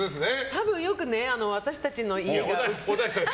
多分よく私たちの家。